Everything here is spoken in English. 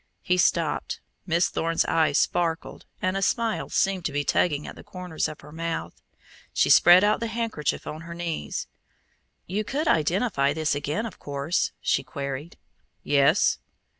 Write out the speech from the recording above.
He stopped. Miss Thorne's eyes sparkled and a smile seemed to be tugging at the corners of her mouth. She spread out the handkerchief on her knees. "You could identify this again, of course?" she queried. "Yes."